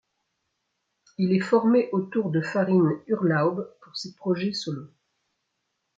Il est formé autour de Farin Urlaub pour ses projets solos.